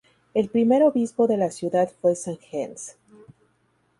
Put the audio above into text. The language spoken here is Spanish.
El primer obispo de la ciudad fue San Gens.